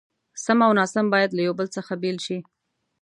سم او ناسم بايد له يو بل څخه بېل شي.